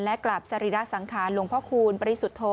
และกลับสรีระสังขารหลวงพ่อคูณปริสุทธโธ